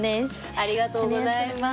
ありがとうございます。